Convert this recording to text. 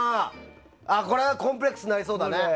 これはコンプレックスになりそうだね。